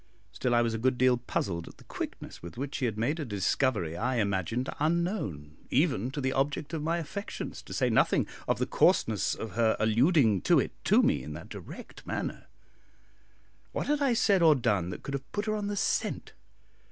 Still I was a good deal puzzled at the quickness with which she had made a discovery I imagined unknown, even to the object of my affections, to say nothing of the coarseness of her alluding to it to me in that direct manner. What had I said or done that could have put her on the scent?